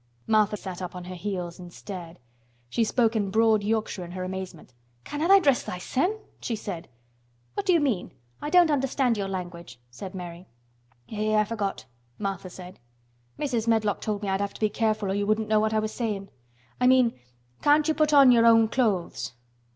Martha sat up on her heels again and stared. She spoke in broad Yorkshire in her amazement. "Canna' tha' dress thysen!" she said. "What do you mean? I don't understand your language," said Mary. "Eh! I forgot," Martha said. "Mrs. Medlock told me I'd have to be careful or you wouldn't know what I was sayin'. I mean can't you put on your own clothes?"